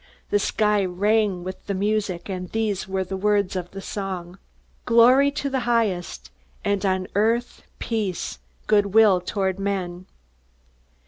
The sky rang with the music, and these were the words of the song: "Glory to God in the highest, And on earth peace, good will toward men."